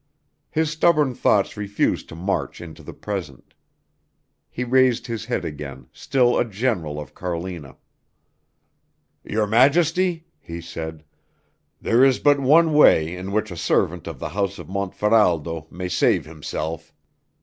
His stubborn thoughts refused to march into the present. He raised his head again, still a general of Carlina. "Your Majesty," he said, "there is but one way in which a servant of the house of Montferaldo may save himself."